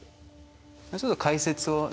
ちょっと解説をね